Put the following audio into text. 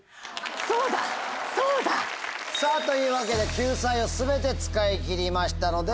さぁというわけで救済を全て使い切りましたので。